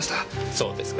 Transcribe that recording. そうですか。